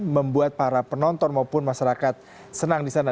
membuat para penonton maupun masyarakat senang di sana